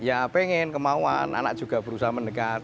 ya pengen kemauan anak juga berusaha mendekat